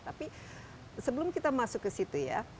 tapi sebelum kita masuk ke situ ya